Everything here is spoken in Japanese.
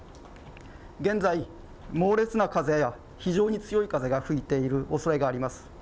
現在、猛烈な風や非常に強い風が吹いているおそれがあります。